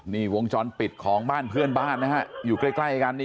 นี่วงจรปิดของบ้านเพื่อนบ้านนะฮะอยู่ใกล้กันนี่